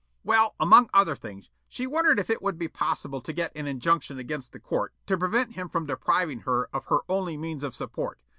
Well, among other things, she wondered if it would be possible to get an injunction against the court to prevent him from depriving her of her only means of support.